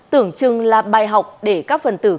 tưởng chừng là bài học để các phần tư tưởng